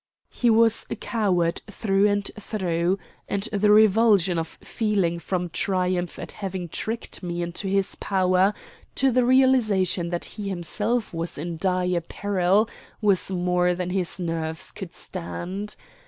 He was a coward through and through, and the revulsion of feeling from triumph at having tricked me into his power to the realization that he himself was in dire peril was more than his nerves could stand.